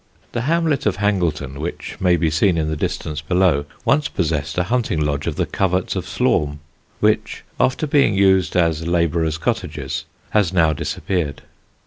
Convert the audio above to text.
The hamlet of Hangleton, which may be seen in the distance below, once possessed a hunting lodge of the Coverts of Slaugham, which, after being used as labourers' cottages, has now disappeared.